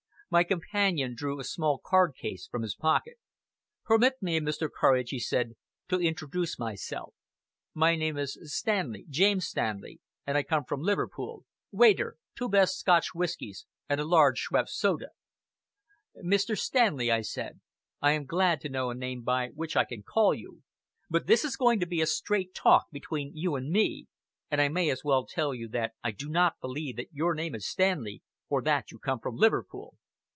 My companion drew a small card case from his pocket. "Permit me, Mr. Courage," he said, "to introduce myself. My name is Stanley, James Stanley, and I come from Liverpool. Waiter, two best Scotch whiskies, and a large Schweppe's soda." "Mr. Stanley," I said, "I am glad to know a name by which I can call you, but this is going to be a straight talk between you and me; and I may as well tell you that I do not believe that your name is Stanley, or that you come from Liverpool!"